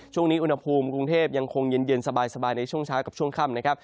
ช่วงนี้อุณหภูมิกรุงเทพยังคงเย็นสบายในช่วงเช้ากับช่วงค่ำนะครับ